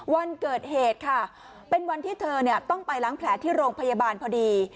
วันเกิดเหตุค่ะเป็นวันที่เธอต้องไปล้างแผลที่โรงพยาบาลพอดี